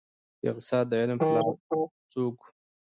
د اقتصاد د علم پلار څوک وه؟